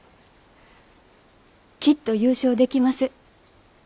きっと優勝できます。